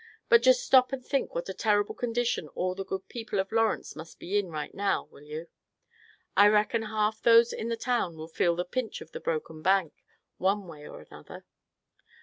But just stop and think what a terrible condition all the good people of Lawrence must be in right now, will you? I reckon half those in the town will feel the pinch of the broken bank, one way or another."